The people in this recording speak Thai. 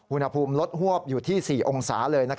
อุณหภูมิลดฮวบอยู่ที่๔องศาเลย